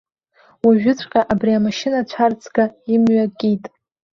Уажәыҵәҟьа абри амашьына цәарӡга имҩа акит.